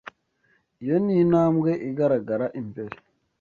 Iyo ni intambwe igaragara imbere.